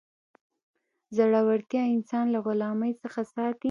زړورتیا انسان له غلامۍ څخه ساتي.